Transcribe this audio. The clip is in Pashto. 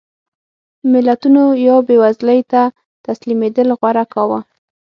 ملتونو یا بېوزلۍ ته تسلیمېدل غوره کاوه.